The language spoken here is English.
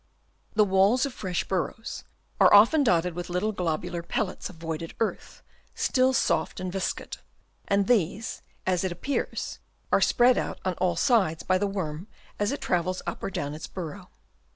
The walls of fresh burrows are often dotted with little globular pellets of voided earth, still soft and viscid ; and these, as it appears, are spread out on all sides by the worm as it travels up or clown its burrow.